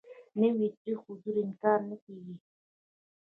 نوي عصر حضور انکار نه کېږي.